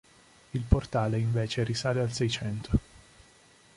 Il portale invece risale al seicento.